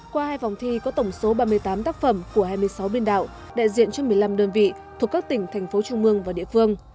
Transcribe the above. qua hai vòng thi có tổng số ba mươi tám tác phẩm của hai mươi sáu biên đạo đại diện cho một mươi năm đơn vị thuộc các tỉnh thành phố trung mương và địa phương